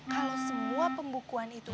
kalau semua pembukuan itu